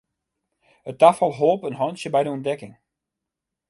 It tafal holp in hantsje by de ûntdekking.